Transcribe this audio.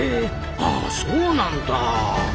あそうなんだ。